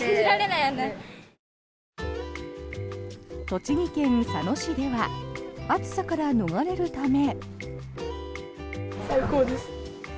栃木県佐野市では暑さから逃れるため。